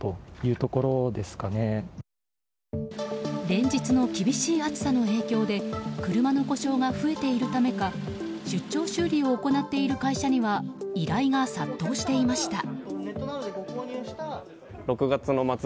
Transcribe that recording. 連日の厳しい暑さの影響で車の故障が増えているためか出張修理を行っている会社には依頼が殺到していました。